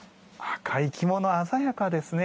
赤い着物、鮮やかですね。